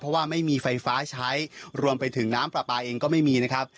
เพราะว่าไม่มีไฟฟ้าใช้รวมไปถึงน้ำปลาปลาเองก็ไม่มีนะครับ